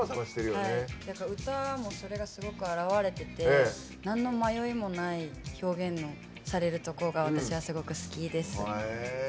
だから、歌もそれがすごく表れててなんの迷いもない表現をされるところが私はすごい好きです。